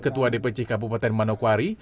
ketua dpc kabupaten manokwari